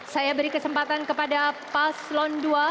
saya beri kesempatan kepada paslon dua